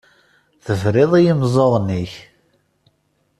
Tebriḍ i yimeẓẓuɣen-ik.